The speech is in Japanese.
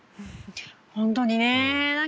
本当にね。